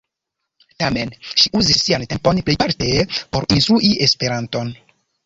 Tamen, ŝi uzis sian tempon plejparte por instrui Esperanton.